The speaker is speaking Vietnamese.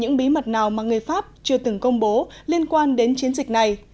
những bí mật nào mà người pháp chưa từng công bố liên quan đến chiến dịch này